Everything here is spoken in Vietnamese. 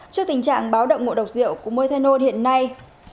trước tình trạng báo động ngộ độc rượu của motherno hiện nay